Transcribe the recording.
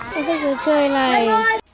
con thích trò chơi này